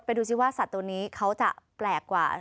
ดูสิว่าสัตว์ตัวนี้เขาจะแปลกกว่า